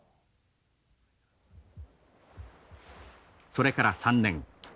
それから３年。